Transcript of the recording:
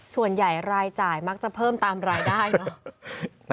ส่วนใหญ่รายจ่ายมักจะเพิ่มตามรายได้เนอะ